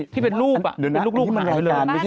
ที่เป็นลูกเป็นลูกหายไปเลยนะ